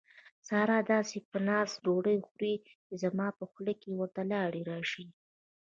ساره داسې په ناز ډوډۍ خوري، چې زما په خوله کې ورته لاړې راشي.